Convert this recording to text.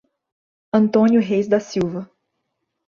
Antônio Reis da Silva